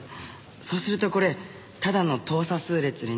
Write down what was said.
そうするとこれただの等差数列になるんです。